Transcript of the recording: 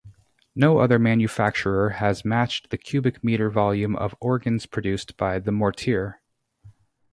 No other manufacturer has matched the cubic meter volume of organs produced by Mortier.